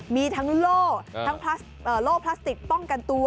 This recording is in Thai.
มีทั้งโล่ทั้งโล่พลาสติกป้องกันตัว